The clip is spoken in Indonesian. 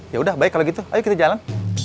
yaudah baik kalau gitu ayo kita jalan